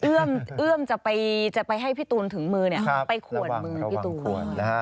เอื้อมจะไปให้พี่ตูนถึงมือไปขวนมือพี่ตูน